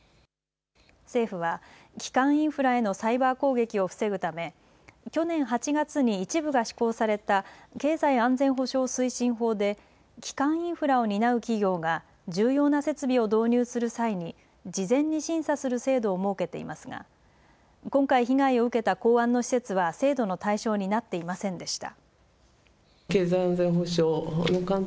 政府は、基幹インフラへのサイバー攻撃を防ぐため、去年８月に一部が施行された、経済安全保障推進法で、基幹インフラを担う企業が重要な設備を導入する際に、事前に審査する制度を設けていますが、今回被害を受けた港湾の施設は制度の対象になっていませんでした。